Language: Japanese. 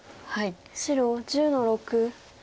白１０の六ノビ。